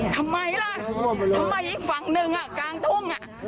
ทำไมล่ะทำไมอีกฝั่งหนึ่งกลางทุ่ง